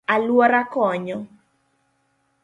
Aluora konyo;